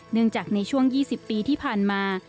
เนื่องจากในช่วงยี่สิบปีที่ผ่านมา